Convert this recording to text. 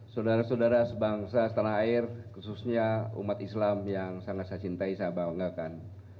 saudara saudara sebangsa setanah air khususnya umat islam yang sangat saya cintai saya banggakan